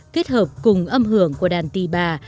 kết hợp cùng âm hưởng của đàn tì bà